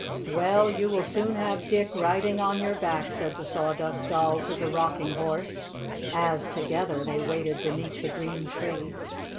"Well, you will soon have Dick riding on your back," said the Sawdust Doll to the Rocking Horse as, together, they waited beneath the green tree.